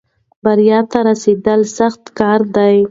بریا ته رسېدل سخت کار دی.